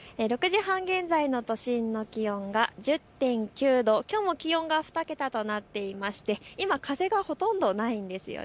６時半現在の都心の気温が１０．９度、きょうも気温が２桁となっていまして今、風がほとんどないんです。